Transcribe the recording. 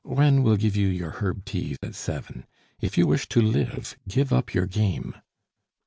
Reine will give you your herb tea at seven. If you wish to live, give up your game."